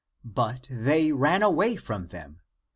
But they ran away from them.